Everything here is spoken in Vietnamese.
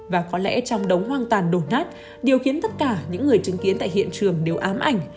và có lẽ trong đống hoang tàn đổ nát điều khiến tất cả những người chứng kiến tại hiện trường đều ám ảnh